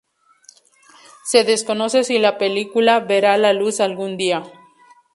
Se desconoce si la película verá la luz algún día.